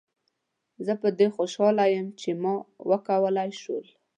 زه په دې خوشحاله یم چې ما وکولای شول.